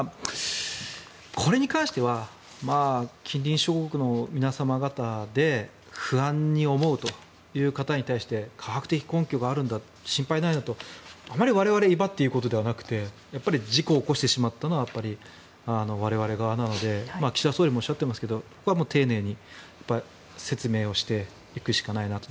これに関しては近隣諸国の皆様方で不安に思うという方に対して科学的根拠があるんだ心配ないよと、あまり我々が威張って言うことではなくてやっぱり事故を起こしてしまったのは我々側なので岸田総理もおっしゃっていますがここは丁寧に説明をしていくしかないなと。